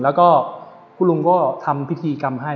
แล้วก็คุณลุงก็ทำพิธีกรรมให้